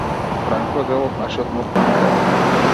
Бранко е дел од нашиот нов комитет.